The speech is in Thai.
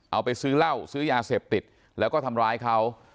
เอาไปซื้อเหล้าซื้อยาเสพติดแล้วก็ทำร้ายเขา